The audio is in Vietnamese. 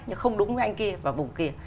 nhưng không đúng với anh kia và vùng kia